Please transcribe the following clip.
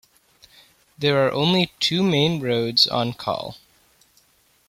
There are only two main roads on Coll.